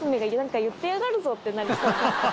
ってなりそう。